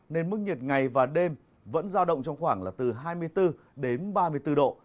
nên mức nhiệt ngày và đêm vẫn giao động trong khoảng là từ hai mươi bốn đến ba mươi bốn độ